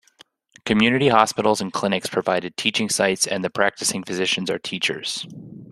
Community hospitals and clinics provide teaching sites and the practicing physicians are teachers.